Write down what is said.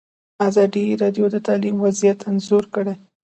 ازادي راډیو د تعلیم وضعیت انځور کړی.